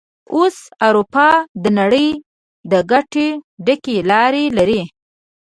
اوس اروپا د نړۍ د ګټه ډکې لارې لري.